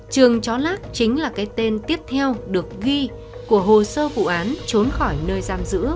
trường chó lát chính là cái tên tiếp theo được ghi của hồ sơ vụ án trốn khỏi nơi giam giữ